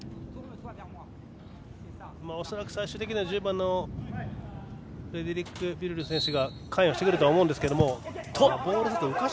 恐らく最終的には１０番のフレデリック・ビルルー選手が関与してくると思いますが。